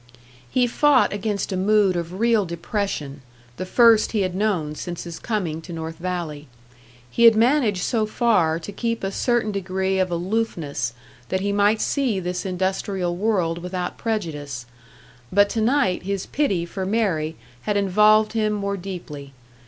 He fought against a mood of real depression, the first he had known since his coming to North Valley. He had managed so far to keep a certain degree of aloofness, that he might see this industrial world without prejudice. But to night his pity for Mary had involved him more deeply.